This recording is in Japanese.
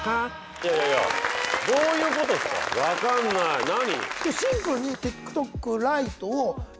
いやいやいやどういうことですか分かんない何？